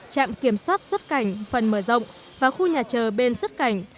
trạm kiểm soát xuất cảnh phần mở rộng và khu nhà chờ bên xuất cảnh